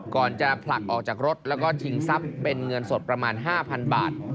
ก่อนจะผลักออกจากรถแล้วก็ชิงทรัพย์เป็นเงินสดประมาณ๕๐๐๐บาท